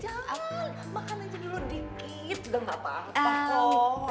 jangan makan aja dulu dikit gak apa apa